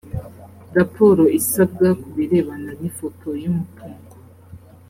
raporo isabwa ku birebana n’ ifoto y umutungo